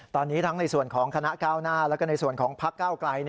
ตอนนี้ทั้งในส่วนของคณะก้าวหน้าแล้วก็ในส่วนของพักเก้าไกล